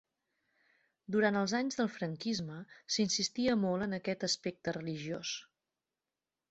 Durant els anys del franquisme s'insistia molt en aquest aspecte religiós.